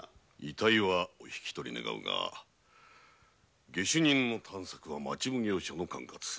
遺体はお引き取り願うが下手人の探索は町奉行所の管轄。